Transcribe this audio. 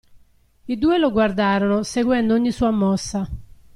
I due lo guardarono, seguendo ogni sua mossa.